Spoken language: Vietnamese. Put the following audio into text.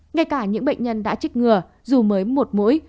ngay cả những bệnh nhân đã trích ngừa dù mới một mũi